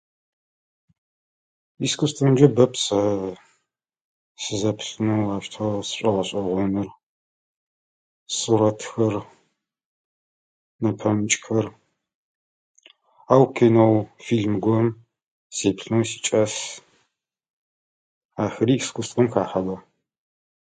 Искусствэмджэ бэп сэ сызэплъынэу аущтэу сшӏогъэшӏэгъоныр. Сурэтхэр, нэпэмыкӏхэр. Ау киноу фильм гоэм сеплъынэу сикӏас. Ахэри искусствэм хахьэба?